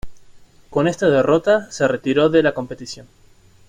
Con esta derrota, se retiró de la competición.